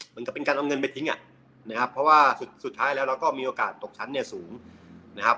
เหมือนกับเป็นการเอาเงินไปทิ้งอ่ะนะครับเพราะว่าสุดท้ายแล้วเราก็มีโอกาสตกชั้นเนี่ยสูงนะครับ